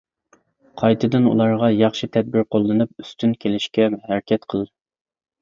قايتىدىن ئۇلارغا ياخشى تەدبىر قوللىنىپ، ئۈستۈن كېلىشكە ھەرىكەت قىل.